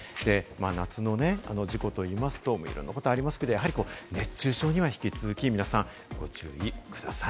夏の事故といいますと、いろんなことがありますけど、熱中症には引き続き皆さん、ご注意ください。